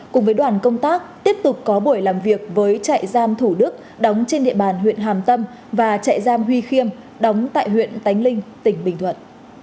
cùng với đoàn công tác tiếp tục có buổi làm việc với trại giam thủ đức đóng trên địa bàn huyện hàm tâm và trại giam huy khiêm đóng tại huyện tánh linh tỉnh bình thuận